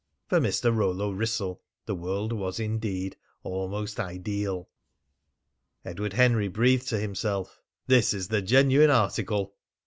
For Mr. Rollo Wrissell the world was indeed almost ideal. Edward Henry breathed to himself: "This is the genuine article."